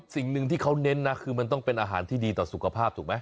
สิ่งหนึ่งที่เขาเน้นนะคือมันต้องเป็นอาหารที่ดีต่อสุขภาพถูกไหม